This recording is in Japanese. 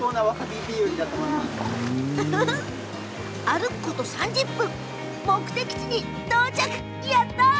歩くこと３０分目的地に到着。